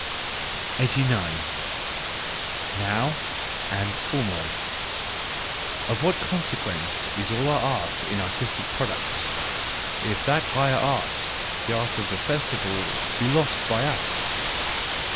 89. Now and Formerly .—Of what consequence is all our art in artistic products, if that higher art, the art of the festival, be lost by us?